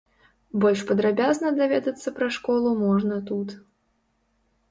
Больш падрабязна даведацца пра школу можна тут.